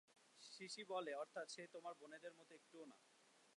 CC বলে, অর্থাৎ, সে তোমার বোনেদের মতো একটুও না।